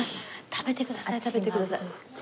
食べてください食べてください。